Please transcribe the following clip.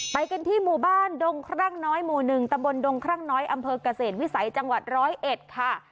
ไปกันที่หมู่บ้านดงครั่งน้อยหมู่๑ตำบลดงครั่งน้อยอำเภอกเกษตรวิสัยจังหวัดร้อยเอ็ดค่ะ